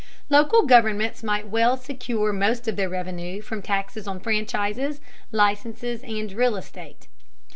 Local governments might well secure most of their revenue from taxes on franchises, licenses, and real estate.